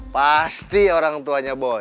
pasti orang tuanya boy